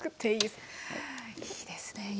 いいですね